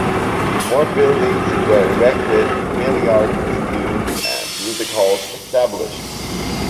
More buildings were erected, billiard saloons and music halls established.